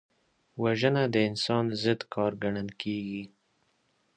وژنه د انسان ضد کار ګڼل کېږي